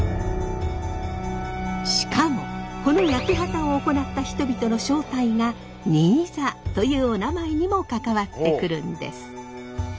しかもこの焼畑を行った人々の正体が新座というおなまえにも関わってくるんです。